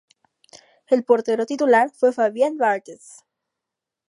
El portero titular fue Fabien Barthez.